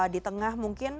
di tengah mungkin